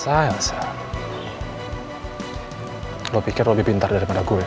sayang lo pikir lo lebih pintar daripada gue